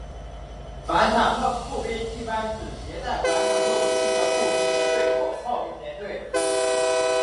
反坦克步兵一般指携带反坦克武器的步兵连队或炮兵连队。